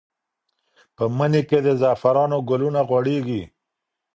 په مني کې د زعفرانو ګلونه غوړېږي.